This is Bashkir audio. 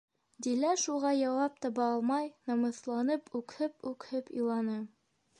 Дилә шуға яуап таба алмай намыҫланып, үкһеп-үкһеп иланы.